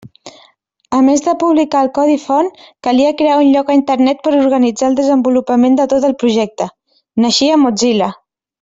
A més de publicar el codi font calia crear un lloc a Internet per organitzar el desenvolupament de tot el projecte: naixia Mozilla.